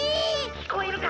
きこえるか？